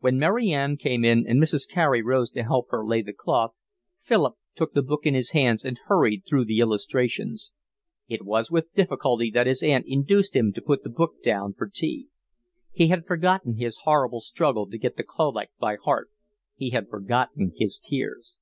When Mary Ann came in and Mrs. Carey rose to help her lay the cloth. Philip took the book in his hands and hurried through the illustrations. It was with difficulty that his aunt induced him to put the book down for tea. He had forgotten his horrible struggle to get the collect by heart; he had forgotten his tears.